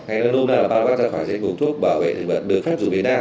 hay nó nôm na là paraquat ra khỏi dịch vụ thuốc bảo vệ thực vật được phát dụng việt nam